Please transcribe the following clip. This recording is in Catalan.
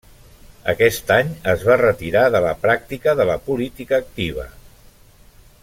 Aquest any es va retirar de la pràctica de la política activa.